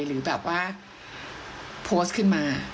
หรือแบบว่าโพสต์ขึ้นมา